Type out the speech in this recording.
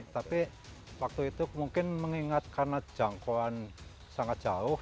tapi waktu itu mungkin mengingat karena jangkauan sangat jauh